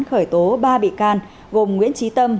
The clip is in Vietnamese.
khởi tố ba bị can gồm nguyễn trí tâm